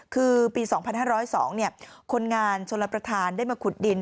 คือปี๒๕๐๒คนงานชนรับประทานได้มาขุดดิน